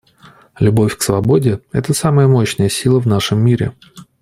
Любовь к свободе — это самая мощная сила в нашем мире.